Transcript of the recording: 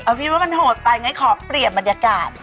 พี่ว่ามันโหดไปงั้นขอเปลี่ยนบรรยากาศ